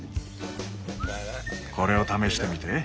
これを試してみて。